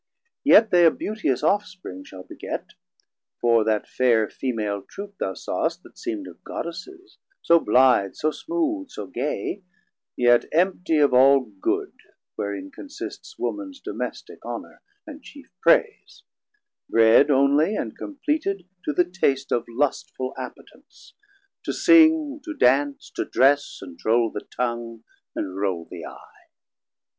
Yet they a beauteous ofspring shall beget; For that fair femal Troop thou sawst, that seemd 610 Of Goddesses, so blithe, so smooth, so gay, Yet empty of all good wherein consists Womans domestic honour and chief praise; Bred onely and completed to the taste Of lustful appetence, to sing, to dance, To dress, and troule the Tongue, and roule the Eye.